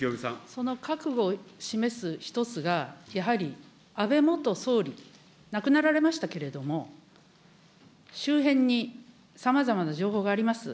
その覚悟を示す１つが、やはり安倍元総理、亡くなられましたけれども、周辺にさまざまな情報があります。